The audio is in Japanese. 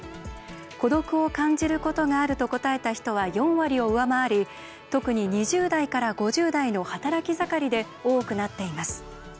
孤独を感じることがあると答えた人は４割を上回り特に２０代から５０代の働き盛りで多くなっています。